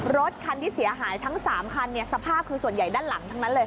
รถคันที่เสียหายทั้ง๓คันสภาพคือส่วนใหญ่ด้านหลังทั้งนั้นเลย